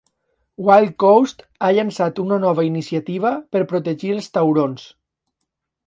Wildcoast ha llançat una nova iniciativa per protegir els taurons.